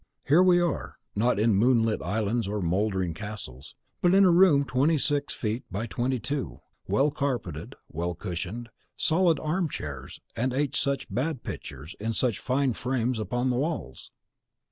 Here we are, not in moonlit islands or mouldering castles, but in a room twenty six feet by twenty two, well carpeted, well cushioned, solid arm chairs and eight such bad pictures, in such fine frames, upon the walls!